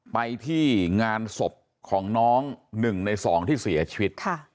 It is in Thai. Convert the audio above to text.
ไปที่งานศพของน้องหนึ่งในสองที่เสียชีวิต